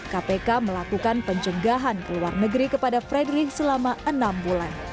kpk melakukan pencegahan ke luar negeri kepada fredrik selama enam bulan